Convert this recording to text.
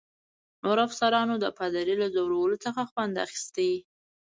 نورو افسرانو د پادري له ځورولو څخه خوند اخیست.